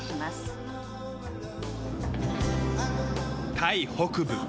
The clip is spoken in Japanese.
タイ北部。